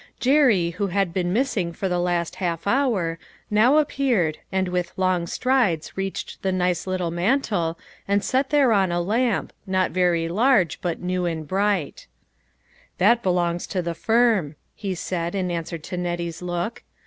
Jerry who had been missing for the last half hour, now appeared, and with long strides reached the nice little mantel and set thereon a lamp, not very large, but new and bright. 182 LITTLE FISHERS: AND THEIR NETS. " That belongs to the firm," he said, in answer to Nettie's look.